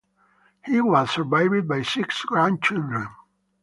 He was survived by six grandchildren.